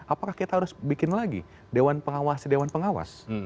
apakah kita harus bikin lagi dewan pengawas dewan pengawas